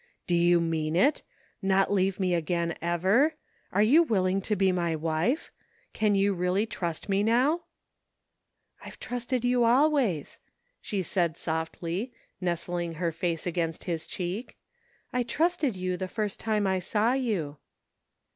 " Do you mean it? Not leave me again ever? Are you willing to be my wife? Can you really trust me now? "I've trusted you always," she said softly, nestling her face against his cheek. '' I trusted you the first time I saw you."